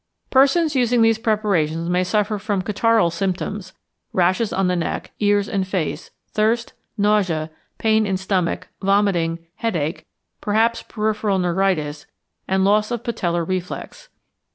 Persons using these preparations may suffer from catarrhal symptoms, rashes on the neck, ears, and face, thirst, nausea, pain in stomach, vomiting, headache, perhaps peripheral neuritis and loss of patellar reflex.